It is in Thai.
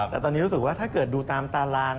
แต่ตอนนี้รู้สึกว่าถ้าเกิดดูตามตาราง